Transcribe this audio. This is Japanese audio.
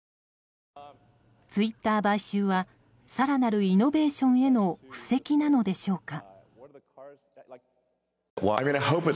ツイッター買収は更なるイノベーションへの布石なのでしょうか。